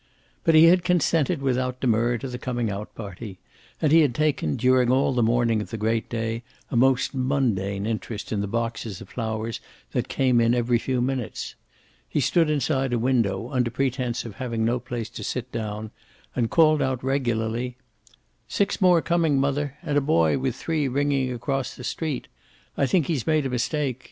But he had consented without demur to the coming out party, and he had taken, during all the morning of the great day, a most mundane interest in the boxes of flowers that came in every few minutes. He stood inside a window, under pretense of having no place to sit down, and called out regularly, "Six more coming, mother! And a boy with three ringing across the street. I think he's made a mistake.